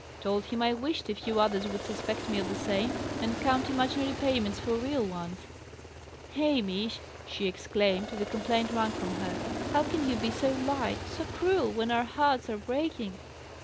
"Told him I wished a few others would suspect me of the same, and count imaginary payments for real ones." "Hamish!" she exclaimed, the complaint wrung from her: "how can you be so light, so cruel, when our hearts are breaking?"